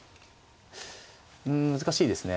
うん難しいですね。